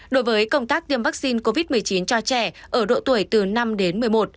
đối với công tác tiêm vaccine covid một mươi chín cho trẻ ở độ tuổi từ năm đến một mươi một